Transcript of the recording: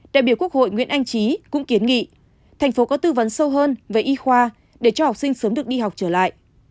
đại biểu quốc hội nguyễn anh trí cũng kiến nghị thành phố có tư vấn sâu hơn về y khoa để cho học sinh sớm được đi học trở lại